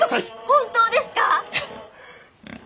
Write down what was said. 本当ですか？